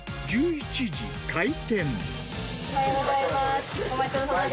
おはようございます。